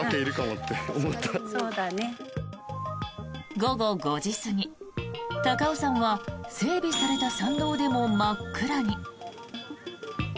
午後５時過ぎ、高尾山は整備された参道でも真っ暗に。